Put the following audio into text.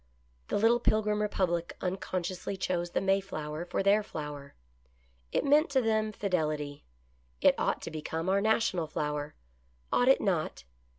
The little Pilgrim republic unconsciously chose the Mayflower for their flower ; it meant to them Fidelity. It ought to become our national flower. Ought it not?